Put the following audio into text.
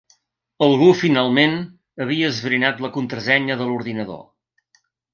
Algú finalment havia esbrinat la contrasenya de l'ordinador.